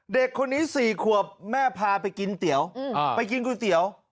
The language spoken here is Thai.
เด็กคนนี้๔ขวบแม่พาไปกินเตี๋ยวไปกินก๋วยเตี๋ยว